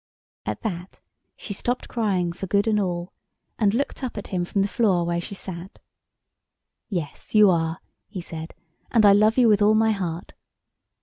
At that she stopped crying for good and all, and looked up at him from the floor where she sat. "Yes you are," he said, "and I love you with all my heart."